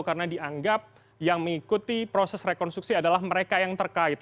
karena dianggap yang mengikuti proses rekonstruksi adalah mereka yang terkait